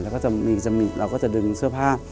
แล้วก็เราก็จะดึงเสื้อผ้า